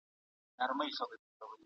علومو خپله لاره له فلسفې جلا کړه.